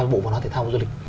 bộ văn hóa thể thao gia lịch